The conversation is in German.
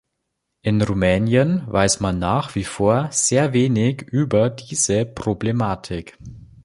In Rumänien weiß man nach wie vor sehr wenig über diese Problematik.